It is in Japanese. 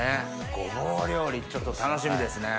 ごぼう料理ちょっと楽しみですね。